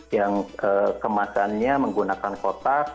yang kemasannya menggunakan kotak